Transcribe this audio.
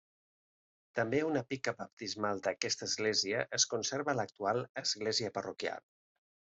També una pica baptismal d'aquesta església es conserva a l'actual església parroquial.